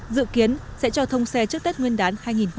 dự kiến sẽ cho thông xe trước tết nguyên đán hai nghìn hai mươi một